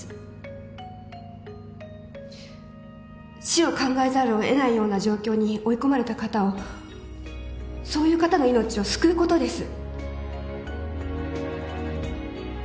死を考えざるを得ないような状況に追い込まれた方をそういう方の命を救うことです。